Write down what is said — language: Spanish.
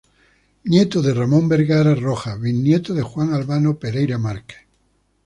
Nieto de Ramón Vergara Rojas, bisnieto de Juan Albano Pereira Márquez.